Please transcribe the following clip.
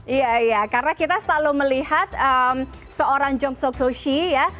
iya iya karena kita selalu melihat seorang chong sok so si ya